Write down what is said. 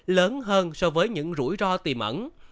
lớn hơn so với những rủi ro tìm ẩn